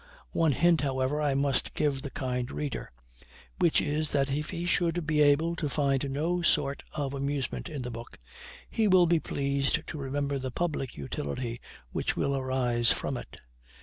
One hint, however, I must give the kind reader; which is, that if he should be able to find no sort of amusement in the book, he will be pleased to remember the public utility which will arise from it.